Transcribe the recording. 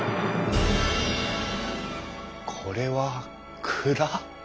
これは蔵？